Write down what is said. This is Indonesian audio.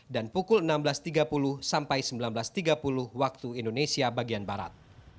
dan pukul enam belas tiga puluh sampai sembilan belas tiga puluh waktu indonesia bagian barat